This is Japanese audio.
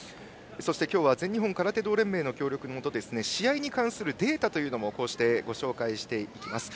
そして今日は全日本空手道連盟の協力のもと試合に関するデータをご紹介していきます。